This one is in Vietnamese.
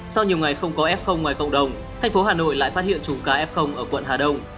sau nhiều ngày không có f ngoài cộng đồng thành phố hà nội lại phát hiện chùm k f ở quận hà đông